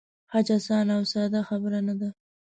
حج آسانه او ساده خبره نه ده.